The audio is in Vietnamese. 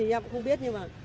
em cũng không biết nhưng mà